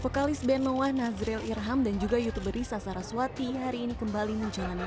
vokalis band noah nazril irham dan juga youtuber risa saraswati hari ini kembali menjalani